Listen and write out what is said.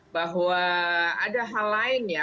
bahwa ada hal lain ya